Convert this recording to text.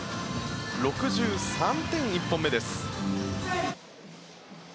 ６３点、１本目です。